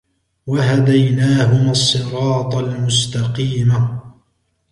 وَهَدَيْنَاهُمَا الصِّرَاطَ الْمُسْتَقِيمَ